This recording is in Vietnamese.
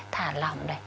thả lỏng này